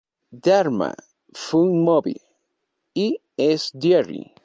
Dharma!, Fun Movie y S Diary".